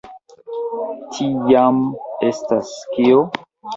Tiam, estas kio?